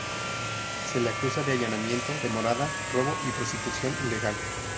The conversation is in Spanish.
Se la acusa de allanamiento de morada, robo y prostitución ilegal.